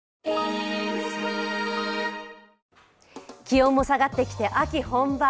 気温も下がってきて、秋本番。